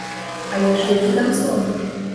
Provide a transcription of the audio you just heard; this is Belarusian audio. Але ж які там сон?